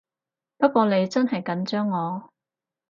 不過你真係緊張我